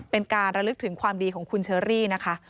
เป็นการระลึกถึงความดีของคุณเชอรี่นะคะ